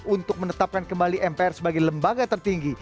untuk menetapkan kembali mpr sebagai lembaga tertinggi